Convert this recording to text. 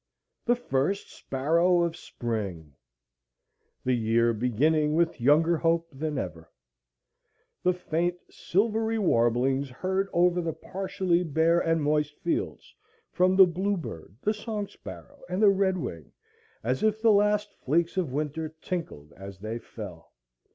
The first sparrow of spring! The year beginning with younger hope than ever! The faint silvery warblings heard over the partially bare and moist fields from the blue bird, the song sparrow, and the red wing, as if the last flakes of winter tinkled as they fell!